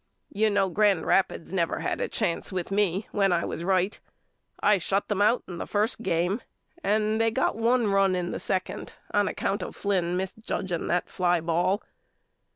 You know Grand Rapids never had a chance with me when I was right. I shut them out in the first game and they got one run A BUSHER'S LETTERS HOME 11 in the second on account of Flynn misjuging that fly ball.